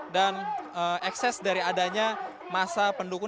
dan ekses dari adanya masa pendukung